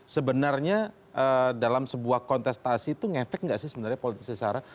sebenarnya dalam sebuah kontestasi itu ngefek nggak sih sebenarnya politisasi sarah